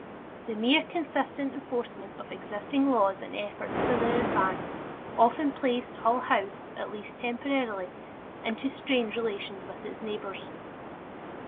The mere consistent enforcement of existing laws and efforts for their advance often placed Hull House, at least temporarily, into strained relations with its neighbors.